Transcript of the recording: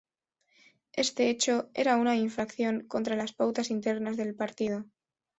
Este hecho era una infracción contra las pautas internas del partido.